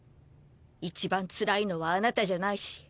一番つらいのはあなたじゃないし。